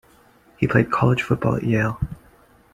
He played college football at Yale.